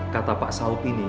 kata pak sahut ini